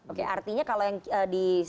oke artinya kalau yang di